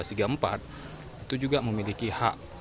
itu juga memiliki hak